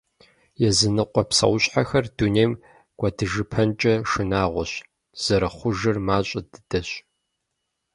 Языныкъуэ псэущхьэхэр дунейм кӀуэдыжыпэнкӏэ шынагъуэщ, зэрыхъужыр мащӏэ дыдэщ.